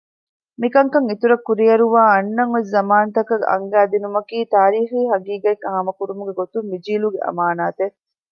މިކަންކަން އިތުރަށް ކުރިއަރުވައި އަންނަން އޮތް ޒަމާންތަކަށް އަންގައިދިނުމަކީ ތާރީޚީ ޙަޤީޤަތް ހާމަކުރުމުގެ ގޮތުން މި ޖީލުގެ އަމާނާތެއް